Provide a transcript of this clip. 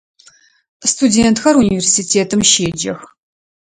Студентхэр университетым щеджэх.